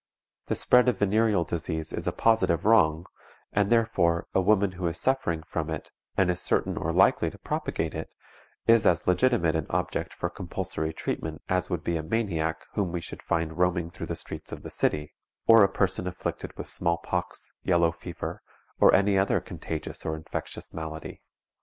The spread of venereal disease is a positive wrong, and, therefore, a woman who is suffering from it, and is certain or likely to propagate it, is as legitimate an object for compulsory treatment as would be a maniac whom we should find roaming through the streets of the city, or a person afflicted with small pox, yellow fever, or any other contagious or infectious malady.